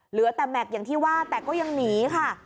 เหลือแต่แม็กซ์อย่างที่ว่าแต่ก็ยังหนีค่ะ